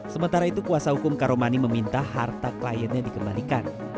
sementara itu kuasa hukum karomani meminta harta kliennya dikembalikan